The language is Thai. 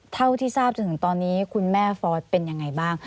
เท่าที่ทราบจนถึงตอนนี้คุณแม่ฟอสเป็นยังไงบ้าง